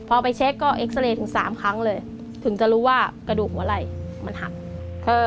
พอไปเช็คก็เอ็กซาเรย์ถึง๓ครั้งเลยถึงจะรู้ว่ากระดูกหัวไหล่มันหัก